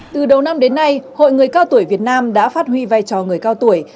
từ đầu năm đến nay hội người cao tuổi việt nam đã phát huy vai trò người cao tuổi